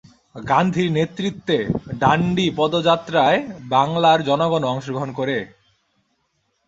গান্ধীর নেতৃত্বে ডান্ডি পদযাত্রায় বাংলার জনগণও অংশগ্রহণ করে।